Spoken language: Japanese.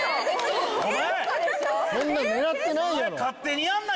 そんな狙ってないやろ。